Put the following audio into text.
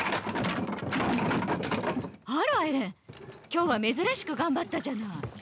あらエレン今日は珍しく頑張ったじゃない。